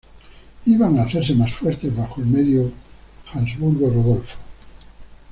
Iban a hacerse más fuertes bajo el medio-Habsburgo Rodolfo.